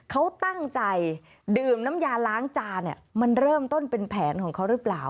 เขาตั้งใจดื่มน้ำยาล้างจานเนี่ยมันเริ่มต้นเป็นแผนของเขาหรือเปล่า